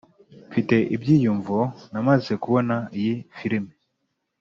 mfite ibyiyumvo namaze kubona iyi firime